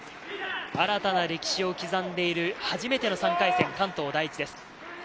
新たな歴史を刻んでいる初めての３回戦、関東第一です。